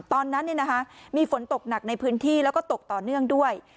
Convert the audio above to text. ตอนนั้นมีฝนตกหนักในพื้นที่แล้วก็ตกต่อเนื่องด้วย